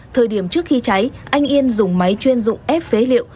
thời điểm trước khi cháy anh yên dùng máy chuyên dụng ép phế liệu